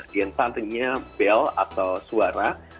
genta artinya bel atau suara